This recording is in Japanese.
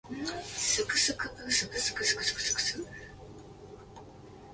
skskksksksks